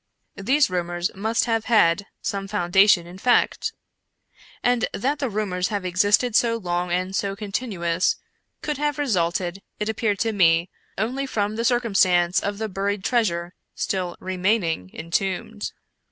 These rumors must have had some founda tion in fact. And that the rumors have existed so long and so continuous, could have resulted, it appeared to me, only from the circumstance of the buried treasures still remain ing entombed.